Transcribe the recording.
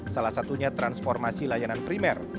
salah satunya transformasi layanan primer